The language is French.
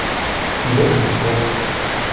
Il est son cœur.